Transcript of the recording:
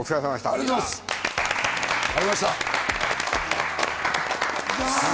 ありがとうございます！